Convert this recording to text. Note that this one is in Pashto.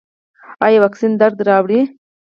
ایا واکسین درد راوړي؟